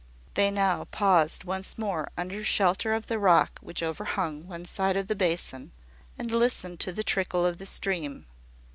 They now paused once more under shelter of the rock which overhung one side of the basin, and listened to the trickle of the spring.